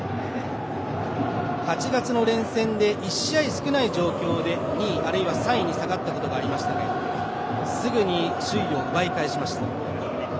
８月の連戦で１試合少ない状況で２位あるいは３位に下がったことがありましたけどもすぐに首位を奪い返しました。